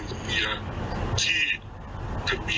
เรื่องเงินมันก็คือส่วนเรื่องเงิน